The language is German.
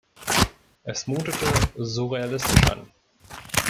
Es mutete surrealistisch an.